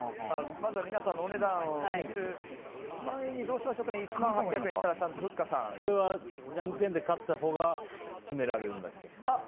まずは皆さんのお値段を見る前にどうしましょうか、１万８００円これはじゃんけんで勝ったほうが決められるんだっけ。